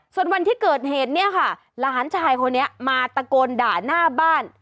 ส่วนวันที่เกิดเหตุเนี่ยค่ะหลานชายคนนี้มาตะโกนด่าหน้าบ้าน